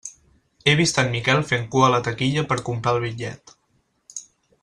He vist en Miquel fent cua a la taquilla per comprar el bitllet.